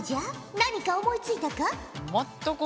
何か思いついたか？